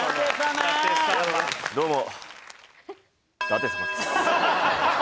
どうも。